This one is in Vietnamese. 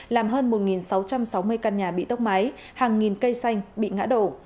làm hơn một sáu trăm sáu mươi căn nhà bị tốc máy hàng nghìn cây xanh bị ngã đổ